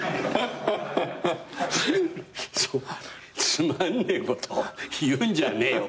「つまんねえことを言うんじゃねえよ